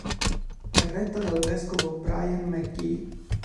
È retta dal vescovo Brian McGee.